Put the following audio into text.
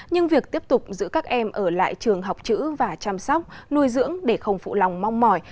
nhưng việc tiếp tục giữ các em ở lại trường học chữ và chăm sóc nuôi dưỡng để không phụ lòng mong mỏi